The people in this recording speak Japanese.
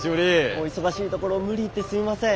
お忙しいところ無理言ってすいません。